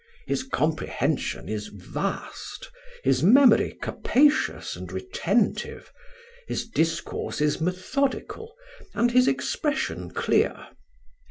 His comprehension is vast, his memory capacious and retentive, his discourse is methodical, and his expression clear.